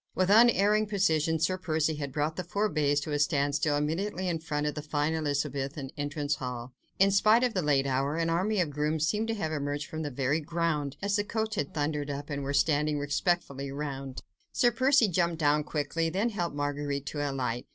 With unerring precision, Sir Percy had brought the four bays to a standstill immediately in front of the fine Elizabethan entrance hall; in spite of the lateness of the hour, an army of grooms seemed to have emerged from the very ground, as the coach had thundered up, and were standing respectfully round. Sir Percy jumped down quickly, then helped Marguerite to alight.